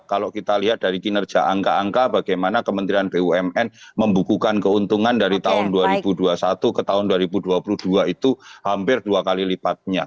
kalau kita lihat dari kinerja angka angka bagaimana kementerian bumn membukukan keuntungan dari tahun dua ribu dua puluh satu ke tahun dua ribu dua puluh dua itu hampir dua kali lipatnya